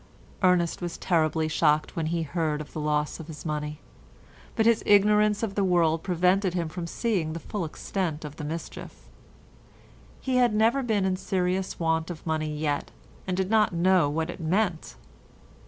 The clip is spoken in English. Ernest was terribly shocked when he heard of the loss of his money, but his ignorance of the world prevented him from seeing the full extent of the mischief. He had never been in serious want of money yet, and did not know what it meant.